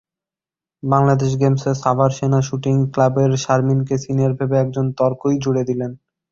বাংলাদেশ গেমসে সাভার সেনা শ্যুটিং ক্লাবের শারমিনকে সিনিয়র ভেবে একজন তর্কই জুড়ে দিলেন।